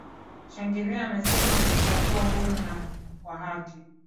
shangirai amesema utakuwa huru na wa haki